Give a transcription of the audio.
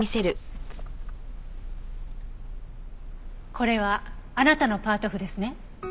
これはあなたのパート譜ですね？